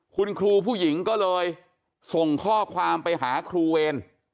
คุณครูผู้หญิงก็เลยส่งข้อความไปหาครูเวร